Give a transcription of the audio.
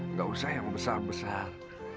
nggak usah yang besar besar